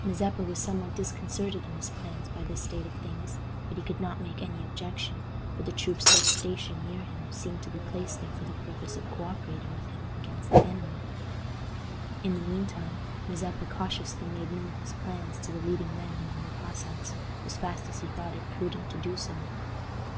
Mazeppa was somewhat disconcerted in his plans by this state of things; but he could not make any objection, for the troops thus stationed near him seemed to be placed there for the purpose of co operating with him against the enemy. In the mean time, Mazeppa cautiously made known his plans to the leading men among the Cossacks as fast as he thought it prudent to do so.